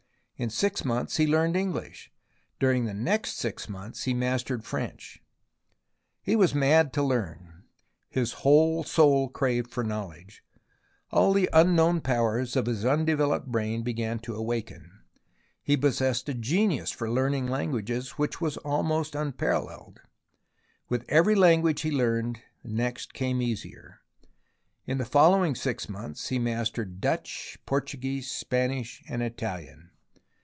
In six months he learned English ; during the next six months he mastered French. He was mad to learn. His whole soul craved for knowledge. All the unknown powers of his un 166 THE ROMANCE OF EXCAVATION developed brain began to awaken. He possessed a genius for learning languages which was almost unparalleled. With every language he learned, the next came easier. In the following six months he mastered Dutch, Portuguese, Spanish and Italian.